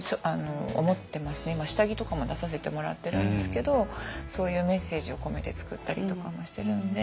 今下着とかも出させてもらってるんですけどそういうメッセージを込めて作ったりとかもしてるんで。